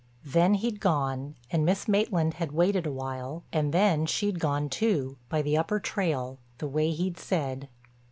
Then he'd gone and Miss Maitland had waited a while, and then she'd gone too, by the upper trail, the way he'd said.